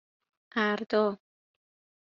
اَردا